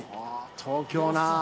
東京なあ。